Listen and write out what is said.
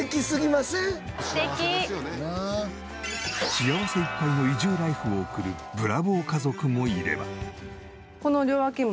幸せいっぱいの移住ライフを送るブラボー家族もいれば。